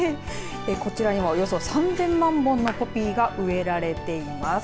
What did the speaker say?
こちらには、およそ３０００万本のポピーが植えられています。